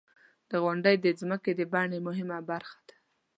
• غونډۍ د ځمکې د بڼې مهمه برخه ده.